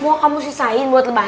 mau kamu sisain buat lebaran